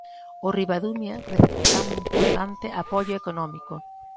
O Ribadumia recibirá un importante apoio económico.